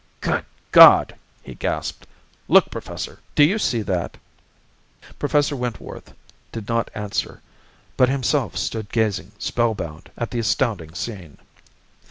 "Good God!" he gasped. "Look, Professor! Do you see that?" Professor Wentworth did not answer but himself stood gazing spellbound at the astounding scene.